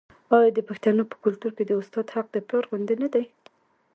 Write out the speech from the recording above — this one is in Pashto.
آیا د پښتنو په کلتور کې د استاد حق د پلار غوندې نه دی؟